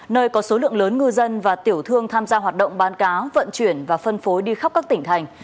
nơi có số lượng lớn ngư dân và tiểu thương tham gia hoạt động bán cá vận chuyển và phân phối đi khắp các tỉnh thành